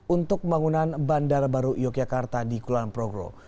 untuk pembangunan bandara baru yogyakarta di kulon progro